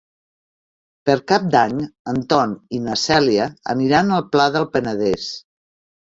Per Cap d'Any en Ton i na Cèlia aniran al Pla del Penedès.